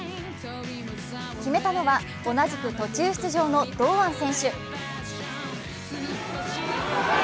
決めたのは同じく途中出場の堂安選手。